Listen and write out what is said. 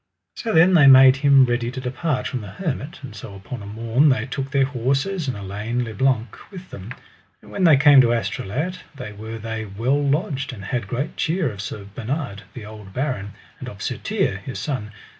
So then they made them ready to depart from the hermit. And so upon a morn they took their horses and Elaine le Blank with them; and when they came to Astolat there were they well lodged, and had great cheer of Sir Bernard, the old baron, and of Sir Tirre, his son.